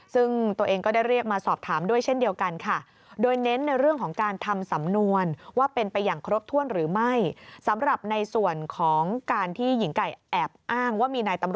ซึ่งตัวเองก็ได้เรียกมาสอบถามด้วยเช่นเดียวกันค่ะ